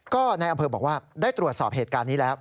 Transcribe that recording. ก็ในอำเภอบอกว่าได้ตรวจสอบเหตุการณ์นี้แล้ว